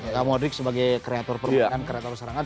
mbak modric sebagai kreator permainan kreator serangan